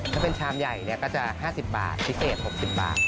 ถ้าเป็นชามใหญ่ก็จะ๕๐บาทพิเศษ๖๐บาท